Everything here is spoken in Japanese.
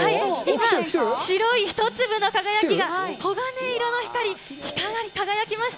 白い一粒の輝きが、黄金色の光、光り輝きました。